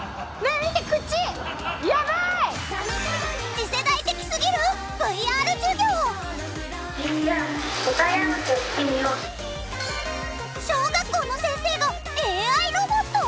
次世代的すぎる小学校の先生がＡＩロボット！？